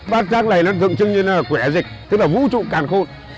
bát rác này nó dựng chứng như là quẻ dịch tức là vũ trụ càn khôn